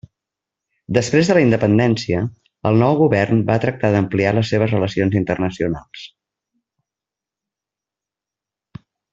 Després de la independència, el nou govern va tractar d'ampliar les seves relacions internacionals.